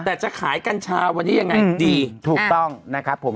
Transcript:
แต่จะขายกัญชาวันนี้ยังไงดีถูกต้องนะครับผม